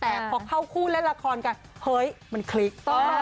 แต่พอเข้าคู่เล่นละครกันเฮ้ยมันคลิก